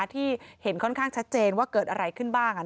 ที่เห็นค่อนข้างชัดเจนว่าเกิดอะไรขึ้นบ้าง